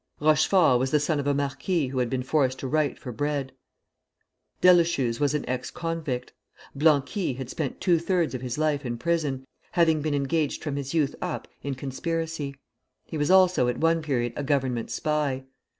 Rochefort was the son of a marquis who had been forced to write for bread. Deleschuze was an ex convict. Blanqui had spent two thirds of his life in prison, having been engaged from his youth up in conspiracy. He was also at one period a Government spy.